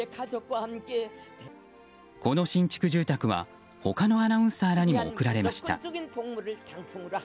この新築住宅は他のアナウンサーらにも贈られました。